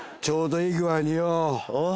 ちょうどいい具合によ